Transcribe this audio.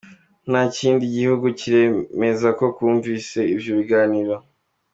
Nta kindi gihugu kiremeza ko cumvise ivyo biganiro.